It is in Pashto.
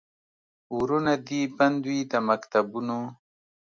ورونه دي بند وي د مکتبونو